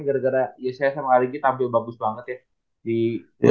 gara gara yesaya sama argy tampil bagus banget ya